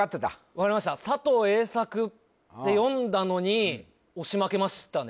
分かりました佐藤栄作って読んだのに押し負けましたね